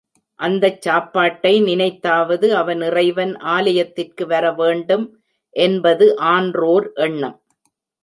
அந்தச் சாப்பாட்டை நினைத்தாவது அவன் இறைவன் ஆலயத்திற்கு வர வேண்டும் என்பது ஆன்றோர் எண்ணம்.